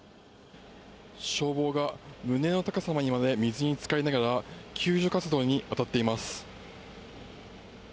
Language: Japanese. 消防が胸の高さにまで水につかりながら、救助活動に当たっています。